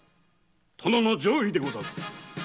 殿の上意でござる。